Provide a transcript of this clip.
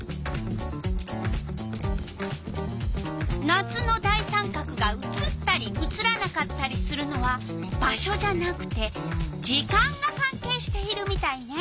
夏の大三角が写ったり写らなかったりするのは場所じゃなくて時間がかんけいしているみたいね。